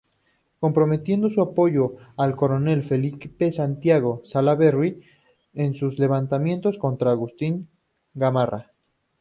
Comprometiendo su apoyo al coronel Felipe Santiago Salaverry en sus levantamientos contra Agustín Gamarra.